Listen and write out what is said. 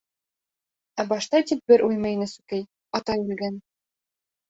Ә башта тик бер уй мейене сүкей: «Атай үлгән...»